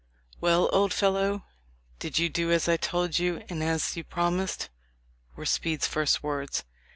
"Well, old fellow, did you do as I told you and as you promised?" were Speed's first words.